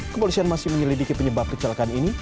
kepolisian masih menyelidiki penyebab kecelakaan ini